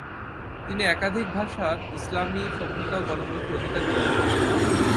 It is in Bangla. তিনি একাধিক ভাষায় ইসলামি সভ্যতা ও গণমানুষের অধিকার নিয়ে লিখেছেন।